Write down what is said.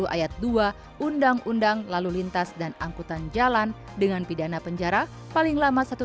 ayat dua undang undang lalu lintas dan angkutan jalan dengan pidana penjara paling lama satu